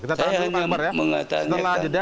kita taruh ke pak akbar ya